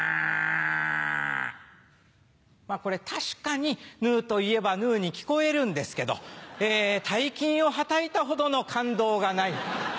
まぁこれ確かにヌーといえばヌーに聴こえるんですけど大金をはたいたほどの感動がない。